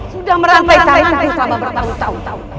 sudah merantai tanganku selama bertahun tahun